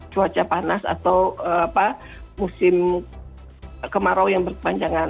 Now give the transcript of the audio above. cuaca panas atau musim kemarau yang berkepanjangan